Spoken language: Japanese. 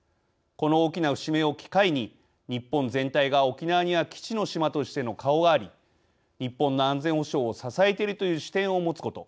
この大きな節目を機会に日本全体が、沖縄には基地の島としての顔があり日本の安全保障を支えているという視点を持つこと。